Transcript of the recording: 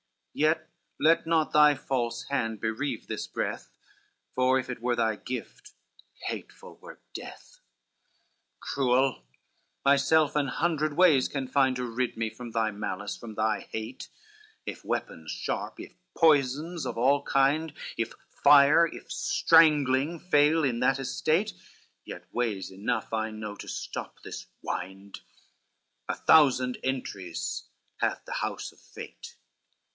Yet let not thy false hand bereave this breath, For if it were thy gift, hateful were death. CXXXIII "Cruel, myself an hundred ways can find, To rid me from thy malice, from thy hate, If weapons sharp, if poisons of all kind, If fire, if strangling fail, in that estate, Yet ways enough I know to stop this wind: A thousand entries hath the house of fate.